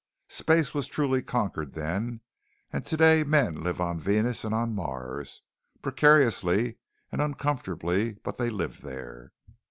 Space was truly conquered then, and today men live on Venus and on Mars. Precariously and uncomfortably, but they live there.